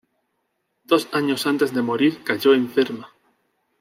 Dos años antes de morir cayó enferma.